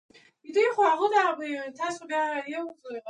"All Summer Long" was to be their final album which reveled in beach culture.